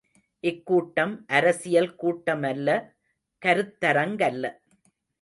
இக்கூட்டம் அரசியல் கூட்டமல்ல கருத்தரங்கல்ல.